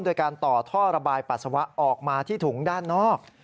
โดยการต่อท่อระบายปัสสาวะออกมาที่ถุงด้านนอก